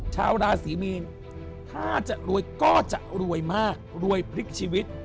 ชาวราศีมีนถ้าจะรวยก็จะรวยมากรวยพลิกชีวิต